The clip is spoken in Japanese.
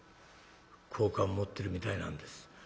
好感持ってるみたいなんです。